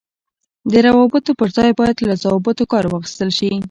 د روابطو پر ځای باید له ضوابطو کار واخیستل شي.